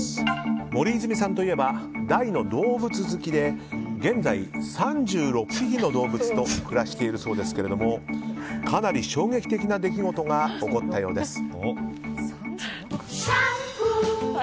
森泉さんといえば大の動物好きで現在、３６匹の動物と暮らしているそうですけれどもかなり衝撃的な出来事が起こったようです。